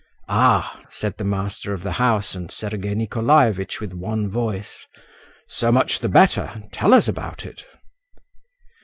"Ah!" said the master of the house and Sergei Nikolaevitch with one voice: "So much the better…. Tell us about it."